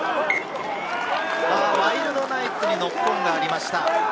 ワイルドナイツにノックオンがありました。